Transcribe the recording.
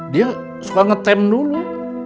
dia suka ngetem dulu